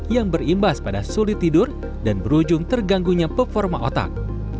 yang berimbas pada sulit tidur dan berujung terganggunya performa otak